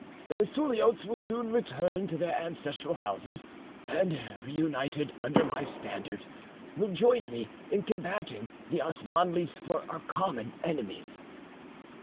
The Suliotes will soon return to their ancestral houses, and, reunited under my standard, will join me in combating the Osmanlis, our common enemies.